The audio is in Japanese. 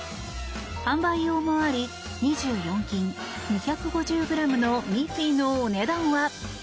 販売用もあり２４金、２５０ｇのミッフィ―のお値段は。